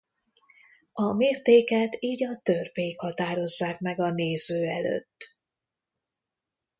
A mértéket így a törpék határozzák meg a néző előtt.